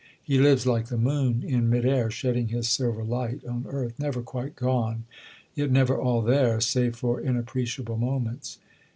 He lives, like the moon, in mid air, shedding his silver light on earth; never quite gone, yet never all there—save for inappreciable moments.